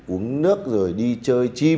uống nước rồi đi chơi chim